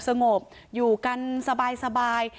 สงบอยู่กันสบาย